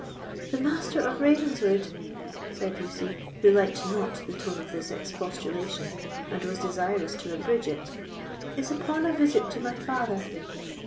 "The Master of Ravenswood," said Lucy, who liked not the tone of this expostulation, and was desirous to abridge it, "is upon a visit to my father."